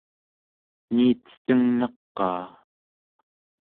niicetengnaqaa